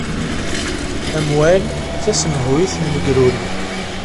Amwan d tasemhuyt n legruri.